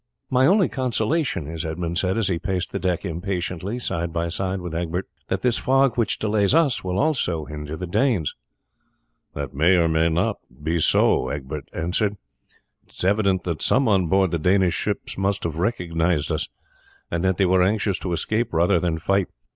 "My only consolation is," Edmund said as he paced the deck impatiently side by side with Egbert, "that this fog which delays us will also hinder the Danes." "That may be so or it may not," Egbert answered. "It is evident that some on board the Danish ships must have recognized us, and that they were anxious to escape rather than fight.